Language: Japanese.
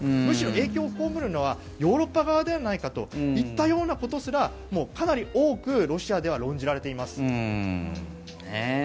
むしろ影響を被るのはヨーロッパ側ではないかといったようなことすらかなり多くロシアでは論じられています。